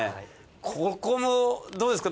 ここもどうですか？